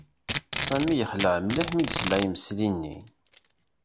Sami yexleɛ mliḥ mi yesla i yimesli-nni.